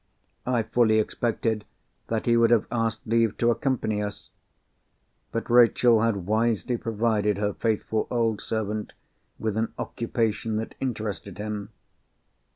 I fully expected that he would have asked leave to accompany us. But Rachel had wisely provided her faithful old servant with an occupation that interested him.